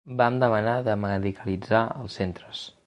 Vam demanar de medicalitzar els centres.